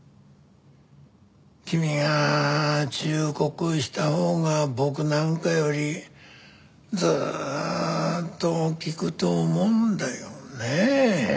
君が忠告したほうが僕なんかよりずーっと効くと思うんだよねえ。